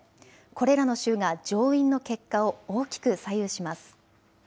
これらの州が上院の結果を大きく左右します。